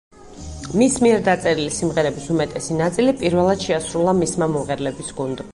მის მიერ დაწერილი სიმღერების უმეტესი ნაწილი პირველად შეასრულა მისმა მომღერლების გუნდმა.